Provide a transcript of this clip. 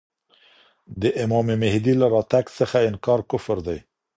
د امام مهدي له راتګ څخه انکار کفر دی.